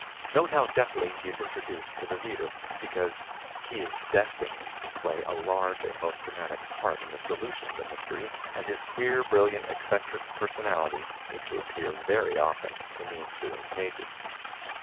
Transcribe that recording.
Note how deftly he is introduced to the reader, because "he is destined to play a large and most romantic part in the solution of the mystery, and his queer, brilliant, eccentric personality is to appear very often in the ensuing pages."